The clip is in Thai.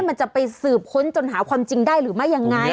มันจะไปสืบค้นจนหาความจริงได้หรือไม่ยังไง